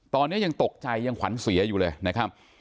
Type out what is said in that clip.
ตอนนี้ยังตกใจยังหวันเสียอยู่เลย